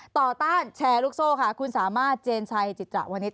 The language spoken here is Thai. ต้านแชร์ลูกโซ่ค่ะคุณสามารถเจนชัยจิตจะวันนี้